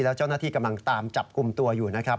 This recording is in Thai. แล้วเจ้าหน้าที่กำลังตามจับกลุ่มตัวอยู่นะครับ